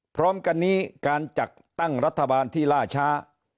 พร้อมกันนี้การจัดตั้งรัฐบาลที่ล่าช้า